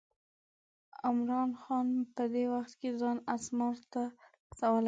عمرا خان په دې وخت کې ځان اسمار ته رسولی و.